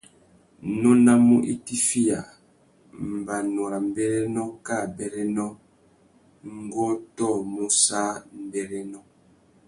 Nônamú itifiya, mbanu râ mbérénô kā abérénô, ngu ôtōmú sā mbérénô.